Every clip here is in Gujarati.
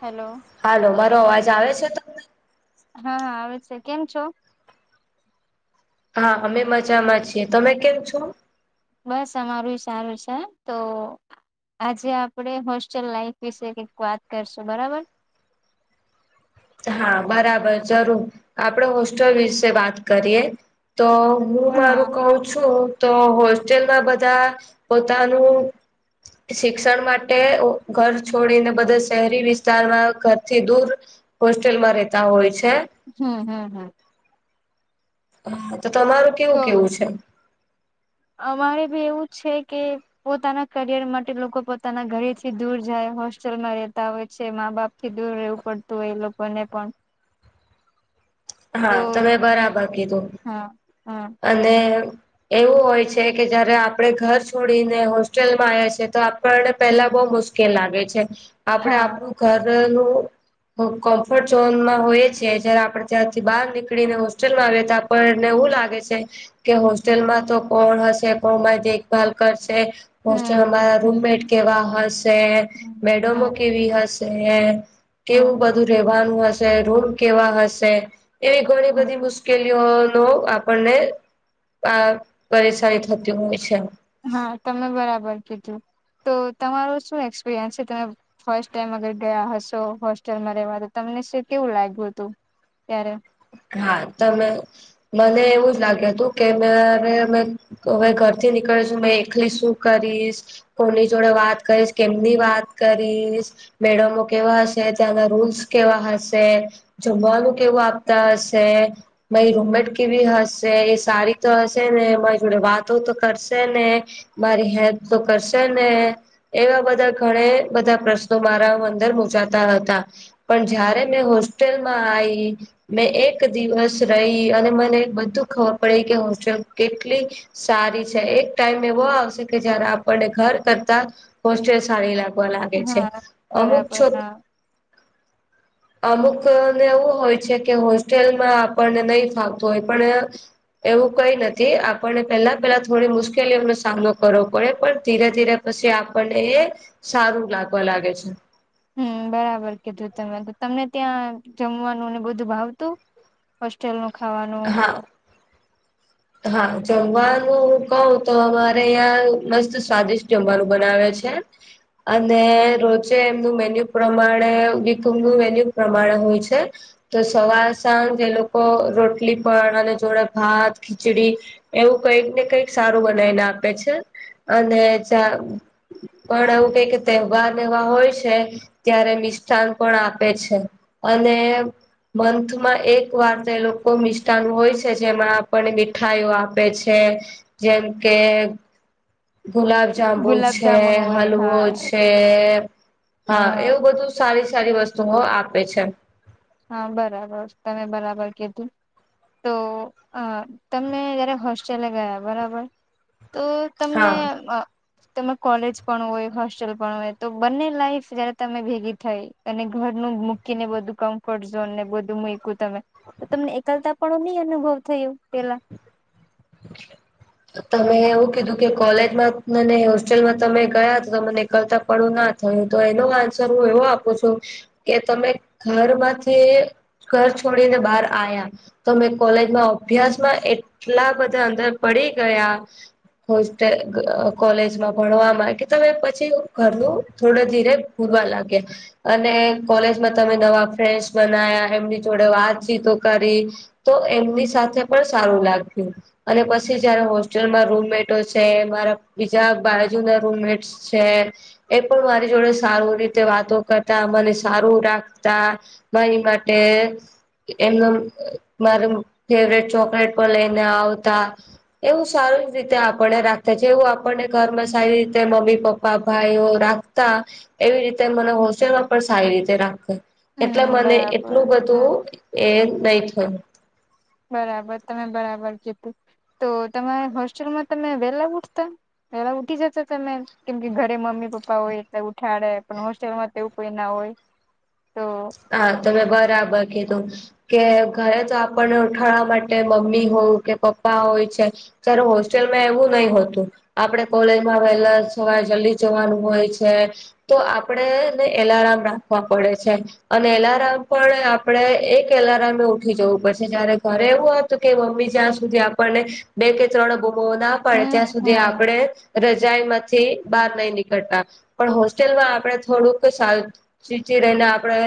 હલો. હાલો મારો અવાજ આવે છે તો. હા આવે છે, કેમ છો? હા અમે મજામાં છીએ તમે કેમ છો? બસ અમારું સારું છે, તો આજે આપડે હોસ્ટેલ લાઈફ વિશે કઈક વાત કરશું બરાબર હા બરાબર જરૂર આપડે હોસ્ટેલ વિશે વાત કરીએ તો હું હા મારું કઉ છું તો હોસ્ટેલમાં બધા પોતાનું શિક્ષણ માટે ઘર છોડીને બધા શહેરી વિસ્તારમાં ઘરથી દૂર હોસ્ટેલમાં રહેેતા હોય છે. હમ હમ હમ. હા તો તમારું તો કેવું કેવું છે. અમારે ભી એવું છે કે. પોતાના કરિયર માટે લોકો પોતાના ઘરેથી દૂર જાય હોસ્ટેલમાં રહેેતા હોય છે મા બાપ થી દૂર રહેવું પડતું હોય એ લોકોને પણ તો હા તમે બરાબર કીધું હા હા અને એવું હોય છે કે જયારે આપણે ઘર છોડીને હોસ્ટેલમાં આવે છે તો પણ પેલા બહુ મુશ્કેલ લાગે છે. આપડે હા આપણું ઘરનું કોમ્ફર્ટ ઝોનમાં હોઈએ છેએ જારે આપડે. ત્યાંથી બહાર નીકળીને હોસ્ટેલમાં રેતા પણ નવું લાગે છે. કે હોસ્ટેલમાં તો કોણ હશે કોમાં દેખભાલ કરશે. હોસ્ટ હમ અમારા હમ રૂમમેટ કેવા હશે હમ મેડમો હમ કે. કેવી હશે કેવું હમ બધું રહેવાનું હશે રુમ કેવા હશે એવી ઘણી હમ બધી મુશ. મુશ્કેલીઓ નો આપણને આ પરેશની થતી હોય છે. હા તમે બરાબર કીધું તો તમારું શું એક્સપિરિયન્સ છે તમે ફર્સ્ટ ટાઈમ અગર ગયા હશો હોસ્ટેલમાં રહેવા તો તમને શ કેવું લાગ્યું હતું ત્યારે. હા તમે મને એવું જ લાગ્યું હતું કે મેરે અ. હવે ઘર થી નીકળીશું મે એકલી શું કરીશ. કોની જોડે વાત કરીશ કેમની વાત કરીશ. મેડમો કેવા હશે ત્યાંના રૂલ્સ કેવા હશે જમવાનું કેવું આપ તોશે. મારી રૂમમેટ કેવી હશે એ સારી તો હશે ને મારી જોડે વાતો તો કરશે ને. મારી હેલ્પ તો કરશે ને. એવા બધા ઘણે બધા પ્રશ્નો મારા અંદર મુજાતા હતા. પણ જયારે મેં હોસ્ટેલમાં આઈ. મેં એક દિવસ રહી અને મને બધું ખબર પડી કે હોસ્ટેલ કેટલી સારી છે એક ટાઈમ એવો આવશે કે જયારે આપણને ઘર કરતા હોસ્ટેલ સારી લાગે. બોલાવે છે હા અમુક બરાબર છોક. હા અમુક ને એવું હોય છે કે હોસ્ટેલમાં આપણને નહીં ફાવતું હોય પણ એવું કઈ નથી આપણને પેલા પેલા થોડી મુશ્કેલીઓનો સામનો કરવો પડે પણ ધીરે ધીરે પછી આપણને એ સારું લાગવા લાગે છે. હમ બરાબર કીધું તમે તમને ત્યાં જમવાનું ને બધું ભાવતું. હોસ્ટેલ નું ખાવાનું. હા હા જમવાનું હું કહું તો અમારે અહં મસ્ત સ્વાદિષ્ટ જમવાનું બનાવે છે. અને રોજે એમનું મેન્યુ પ્રમાણે વિકનું મેન્યુ પ્રમાણે હોય છે. તો સવાર સાંજ એ લોકો રોટલી પણ અને જોડે ભાત ખીચડી એવું કઈક ને કંઈક સારું બનાવીને આપે છે. અને ચા પણ એવું કઈ કે તહેવાર એવા હોય છે. ત્યારે મિષ્ઠાન પણ આપે છે અને મંથમાં એક વાર તો એ લોકો મિષ્ઠાન હોય છે જેમાં પણ મીઠાઈઓ આપે છે જેમ કે ગુલાબ જાંબુ ગુલાબ છે, જામુન હોય હલવો હા છે હા એવું બધું સારી સારી વસ્તુઓ આપે છે. હા બરાબર તમે બરાબર કીધું. તો તમે જયારે હોસ્ટેલે ગયા બરાબર તો તમને હા તમે કોલેજ પણ હોય હોસ્ટેલ પણ હોય તો બંને લાઈફ જયારે તમે ભેગી થઈ. અને ઘરનું મૂકીને બધું કામ ઝને [inaudible] બધું મૂકું તમે તો તમને એકલતા પણ નહી અનુભવ થયો પેલા [inaudible] તમે એવું કીધું કે કોલેજમાં અનેન હોસ્ટેલમાં તમે ગયા તો તો મને કરતા પડો ના થયું તો એનો આન્સર હું એવો આપું છું કે તમે ઘરમાંથી ઘર છોડીને બહાર આવ્યા તો મેં કોલેજમાં અભ્યાસમાં એટલા બધા અંદર પડી ગયા. હોસ્ટેલ કોલેજમાં ભણવામાં કે તમે પછી ઘરનું થોડું ધીરે પૂરવા લાગે. અને કોલેજમાં તમે નવા ફ્રેન્ડસ બનાયા એમની જોડે વાતચીતો કરી તો એમની સાથે પણ સારું લાગ્યું. અને પછી જયારે હોસ્ટેલમાં રૂમમેટો છે મારા બીજા બાજુના રૂમમેટ છે એ પણ મારી જોડે સારું રીતે વાતો કરતા મને સારું રાખતા. મારી માટે એમાં મારો ફેવરેટ ચોકલેટ પણ લઈને આવતા. એવું સારી રીતે આપને રાખતા છે એવું આપણને ઘરમાં સારી રીતે મમ્મી પપ્પા ભાઈઓ રાખતા એવી રીતે મને હોસ્ટેલમાં પણ સારી રીતે રાખે. એટલે હમ મને બરાબર એટલું હમ બધું એ નહી થયું. બરાબર તમે બરાબર જીતું તો તમારે હોસ્ટેલમાં તમે વેલા ઉઠતા પેલા ઉઠી જતો તમે કેમ કે ઘરે મમ્મી પપ્પા હોય એલે ઉઠાડે પણ હોસ્ટેલમાં તો કોઈ ના હોય તો હા તમે બરાબર કીધું. કે ઘરે તો આપણને ઉઠાવા માટે મમ્મી હોય કે પપ્પા હોય છે. ત્યારે હોસ્ટેલમાં એવું નહી હોતું. આપડે કોલેજમાં વહેલા સવારે જલ્દી જવાનું હોય છે. તો આપડેને એલાર્મ રાખવા પડે છે. અને એલાર્મ પણ આપણે એક એલાર્મે એ ઉઠી જવું પડશે જયારે ઘરે એવું કે મમ્મી જ્યાં સુધી આપણને બે કે ત્રણ બૂમો ના પાડે ત્યાં હમ સુધી હમ આપણે રજાાઈ માંથી બહાર નહી નીકળતા પણ હોસ્ટેલ માં આપે થોડુંક સારું સીચી રહીને આપડે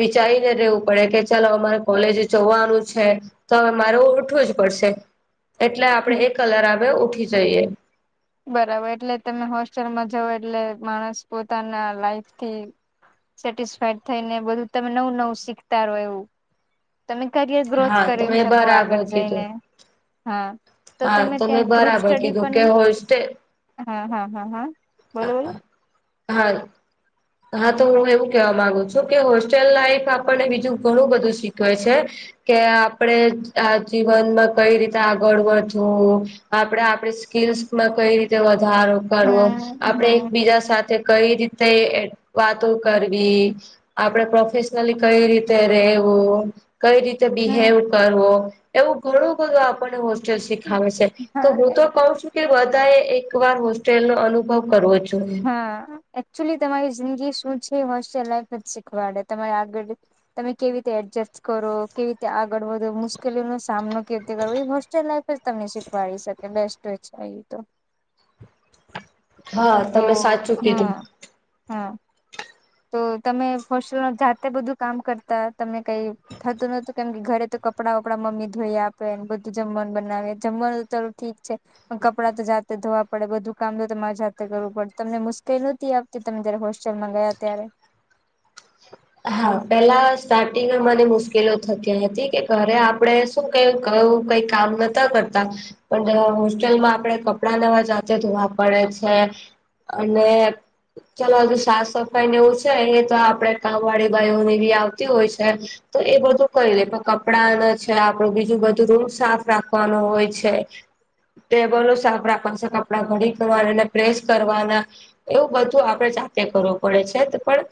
વિચારીને રહેવું પડે કે ચાલ અમારે કોલેજ જવાનું છે તો હવે મારે ઉઠવું જ પડશે એટલે હમ આપડે એક એલાર્મ એ ઉઠી જઈએ. બરાબર એટલે તમે હોસ્ટેલમાં જાવ એટલે માણસ પોતાના લાઈફથી સેટિસફાઈડ થઈ ને બધું તમે નવું નવું શીખતા રહો એવું તમે કરિયર ગ્રોથ હા તમે કરી શકો બરાબર આગળ કીધું જઈને હા તો તમે ત્યાં ગ્રુપ સ્ટડી પણ હોસ્ટેલ હા હા હા હા બોલો બોલો હા. હા તો હું એવું કેવા માંગુ છું કે હોસ્ટેલ લાઈફ આપણને બીજું ઘણું બધું શીખવે છે. કે આપડે આ જીવનમાં કઈ રીતે આગળ વધું. આપડણે આપડી સ્કીલ્સમાં કઈ રીતે વધારો. કરવો હમ આપડે હમ એકબીજા સાથે કઈ રીતે વાતો કરવી, આપડે પ્રોફેશનલી કઈ રીતે રવું, કઈ રીતે હમ બિવ કરવો, એવું ઘણું બધું આપણને હોસ્ટેલ શીખાવે છે. તો હા હું તો કઉ છું કે બધાએ એક વાર હોસ્ટેલ નો અનુભવ કરવો છું. હા એકચુલી તમારી જિંદગી શું છે હો્ય લફ જ શીખવાડે તમારે આગળ તમે કેવી રીતે એડજસ્ટ કરો કેવી રીતે આગળ વધો મુશ્કેલીઓનોો સામનો કીર્તિ કર એ હોસ્ટેલ લાાઈફ જ તમને શીખવાડી શકે બેસ્ટ હોય છે એ તો હા તો તમે સાચું કીધું હા હા. તો તમે હોસ્ટેલ જાતે બધું કામ કરતા તમને કઈ થતું નતું કેમ કે ઘરે તો કપડાં વપડાં મમ્મી ધોઈ આપેને બધું જમવાનું બનાવે જમવાનું ચાલો ઠીક છે. કપડાં તો જાતે ધોવા પડે બધું કામ તો તમારે જાતે કરવું પડે તમને મુશ્કેલ નતી આપ તમે જયારે હોસ્ટેલમાં ગયા ત્યારે? હા પેલા સ્ટાર્ટિંગમાં મને મુશ્કેલો થતી હતી કે ઘરે આપણે ક કઈ કામ નતા કરતા. પણ હોસ્ટેલમાં આપડે કપડા નવા જાતે ધોવા પડે છે. અને ચલો હજુ સાફ સફાઈને એવું છે એ તો આપડે કામ વાળી ભાઈ ની બી આવતી હોય છે. તો એ બધું કઈ લે પણ કપડાને છે આપડું બીજું બધું રૂમ સાફ રાખવાનું હોય છે. ટેબલો સાફ રાખવા છે કપડા ઘડીકને પ્રેસ કરવાના. એવું બધું આપડે જાતે કરવું પડે છે પણ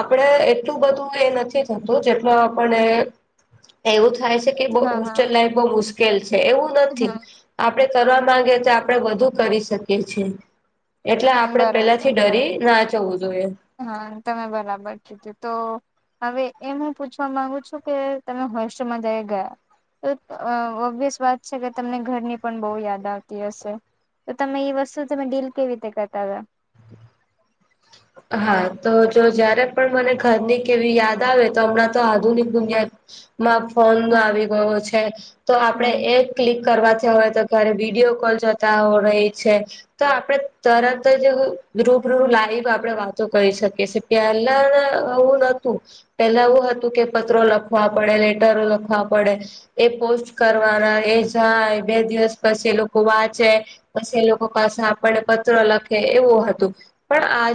આપણે એટલું બધું એ નથી થતું જેટલો આપને એવું થાય છે કે હા હા હોસ્ટેલ લાઈફ બહ મુશ્કેલ છે એવું હમ નથી. આપડણે કરવા માંગે તો આપણેે વધુ કરી શકીએ છીએ. એટલે હમ આપડે પેલા બરાબર થી હા ડરી ના જવું જોઈએ. હા તમે બરાબર કીધું તો હવે એ હું પૂછવા મામાંગુ છું કે તમે હોસ્ટલમાં જઈ ગયા. તો ઓબ્વિયસ વાત છે કે તમને ઘરની પણ બહુ યાદ આવતી હશે. તો તમે એઈ વસ્તુ તમે ડીલ કેવી રીતે કરતા હો? હા તો જો જયારે પણ મને ઘરની કેવી યાદ આવે તો હમણાં તો આધુનિક દુનિયા માં ફોન હમ આવી ગયો છે, તો આપડે હમ એક ક્લિક કરવાથી હોય તો ઘરે વિડિયો કોલ જતા હો રહી છે. તો આપડે તરત જ રૂપનું લાઈવ આપ આપડે વાતો કરી શકીએ પહેલા હું નતું. પેલા એવું હતું કે પત્રો લખવા પડે લેટરો લખવા પડે. એ પોસ્ટ કરવાના એ જાય બે દિવસ પછી એ લોકો વાંચે. પછ એ લોકો પાસે આપણને પત્ર લખે એવું હતું, પણ આ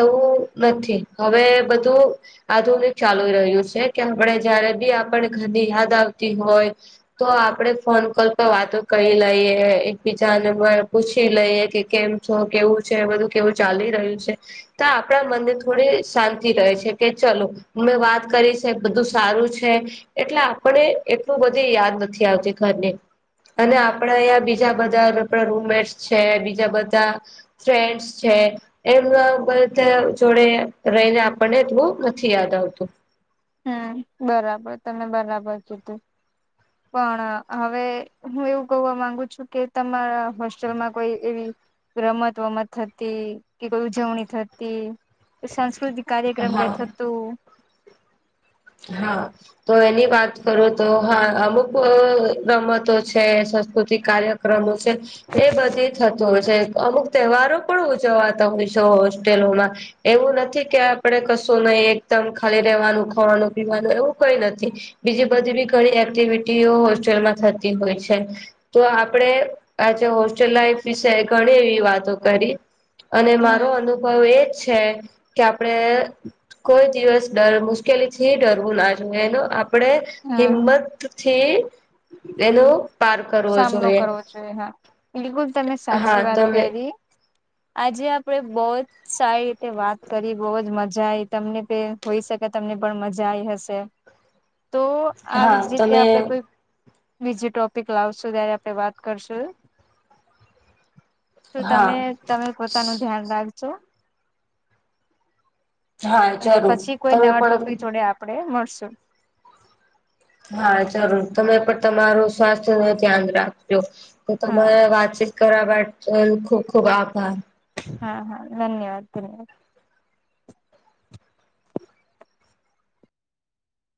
એવું નથી હવે બધું આધુનિક ચાલુ રહ્યું છે કે આપણે જયારે બી આપને ગાની યાદ આવતી હોય. તો આપડે ફોન કોલ પર વાતો કરી લઈએ એકબીજાને પૂછી લઈએ કે કેમ કેવું છે બધું કેવું ચાલી રહ્યું છે. તો આપણા મનને થોડી શાંતિ રહે છે કે ચલો અમે વાત કરી છે બધું સારું છે. એટલે આપને એટલું બધી યાદ નથી આવતી ઘરને. અને આપણેે અંયા બીજા બધાડા રૂમમેટ્સ છે બીજા બધા. થ્રેડસ છે. એમના બ જોડે રહીને આપણને એટલું નથી યાદ આવતું. હમ બરાબર તમે બરાબર જીધું. પણ હવે હું એવું કહવા માંગુ છું કે તમારા હોસ્ટેલમાં કોઈ એવી રમત વમત થતી કે કોઈ ઉજવણી થતી. સાંસ્કૃતિક કાર્યક્રમ હા ગયાથ તો. હા તો એની વાત કરો તો હા અમુક રમતો છે સાસ્કૃતિક કાર્યક્રમો એ બધી થતું હોય છે અમુક તહેવારો ઉજવાતા હોય છે હોસ્ટેલોમાં. એવું નથી કે આપડે કશું નહી એકદમ ખાલી રેવાનું ખાવાનું. એવું કઈ નથી, બીજી બધી બી ઘણી એક્ટિવિટીઓ હોસ્ટેલમાં થતી હોય છે. તો આપડે આજે હોસ્ટેલ લાાઈફ વિશે ઘણી એવી વાતો કરી. અને મારો હમ અનુભ અનુભ એજ છે કે આપડે કોઈ દિવસ ડર મુશ્કેલી થી ડરવું ના જો એનો આપણે હા હિંમત થી એનું સામનો કરવો જોઈએ હા બિલકુલ તમે હા સાચી વાત તમે કરી. આજે આપણેે બહુ જ સારી રીતે વાત કરી બહુ જ મજા આવીઈ તમને તે. હોઈ શકે તમને પણ મજા આઈ હશે? તો હા આવી જ રીતે તમે આપડે કોઈ વિઝિ ટોપિક લાવશો ત્યારે આપણે વાત કરશું. તો હા તમે? તમે પોતાનું ધ્યાન રાખજો. હા અને જરૂર પછી કોઈ તમે નવા પણ ટોપિક જોડે આપણેે મળશું. હા જરૂર તમે પણ તમારું સ્વાસ્થ્ય ન ધ્યાન રાખજો તો હા તમારે વાતચીત કર વા ખૂબ ખૂબ આભાર. હા હા ધન્યવાદ ધન્યવાદ,